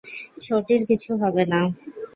ছোটির কিছু হবে না।